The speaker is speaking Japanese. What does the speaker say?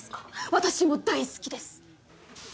私も大好きです！